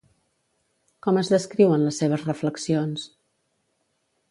Com es descriuen les seves reflexions?